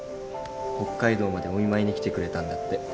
北海道までお見舞いに来てくれたんだって。